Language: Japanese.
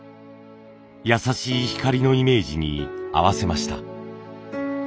優しい光のイメージに合わせました。